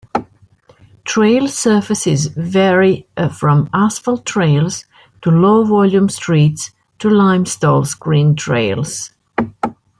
Trail surfaces vary from asphalt trails to low-volume streets to limestone screened trails.